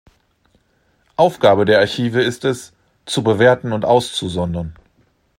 Aufgabe der Archive ist es, zu bewerten und auszusondern.